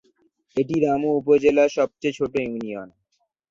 এটি রামু উপজেলার সবচেয়ে ছোট ইউনিয়ন।